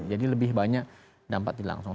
jadi lebih banyak dampak di langsung